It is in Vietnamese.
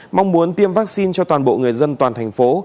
mong muốn tiêm vaccine cho toàn bộ người dân toàn thành phố